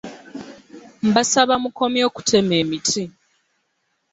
Mbasaba mukomye okutema emiti.